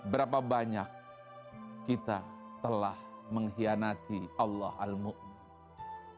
berapa banyak kita telah mengkhianati allah al mu'min